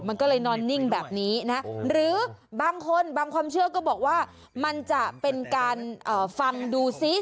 มันก็เลยนอนนิ่งแบบนี้นะหรือบางคนบางความเชื่อก็บอกว่ามันจะเป็นการฟังดูซิ